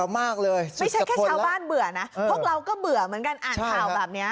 มากเลยไม่ใช่แค่ชาวบ้านเบื่อนะพวกเราก็เบื่อเหมือนกันอ่านข่าวแบบนี้